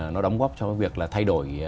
nó đóng góp cho việc thay đổi